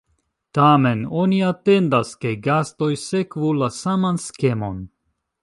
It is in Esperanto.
Tamen, oni atendas, ke gastoj sekvu la saman skemon.